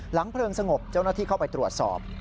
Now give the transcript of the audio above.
เพลิงสงบเจ้าหน้าที่เข้าไปตรวจสอบ